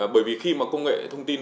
bởi vì khi mà công nghệ thông tin